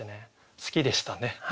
好きでしたね。